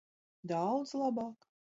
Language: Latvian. Daudz labāk.